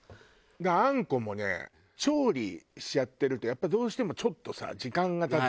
だからあんこもね調理しちゃってるとやっぱどうしてもちょっとさ時間が経つじゃない？